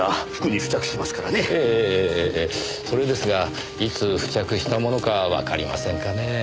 それですがいつ付着したものかわかりませんかねぇ？